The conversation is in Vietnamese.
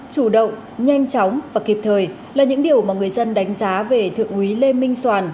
chủ động nhanh chóng và kịp thời là những điều mà người dân đánh giá về thượng úy lê minh soàn